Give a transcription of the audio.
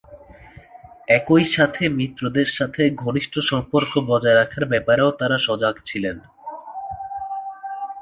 একই সাথে মিত্রদের সাথে ঘনিষ্ঠ সম্পর্ক বজায় রাখার ব্যাপারেও তারা সজাগ ছিলেন।